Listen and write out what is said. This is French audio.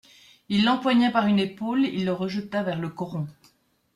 Il l'empoigna par une épaule, il le rejeta vers le coron.